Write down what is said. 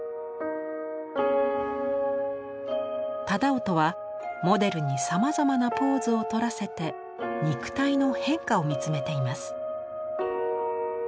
楠音はモデルにさまざまなポーズをとらせて肉体の変化を見つめています。